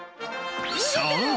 ［そう。